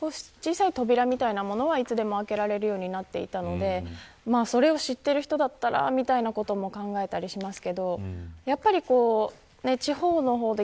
少し遅れてきた子が入れるように小さい扉みたいなものはいつでも開けられるようになっていたのでそれを知っている人だったらみたいなことも考えたりしますけど。